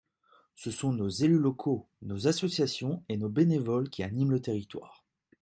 Ce sont nos élus locaux, nos associations et nos bénévoles qui animent le territoire.